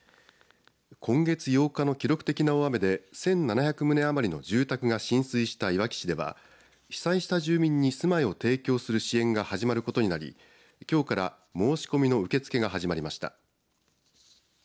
今月８日の記録的な大雨で１７００棟余りの住宅が浸水したいわき市では被災した住民に住まいを提供する支援が始まることになりきょうから申し込みの受け付けが始まりました。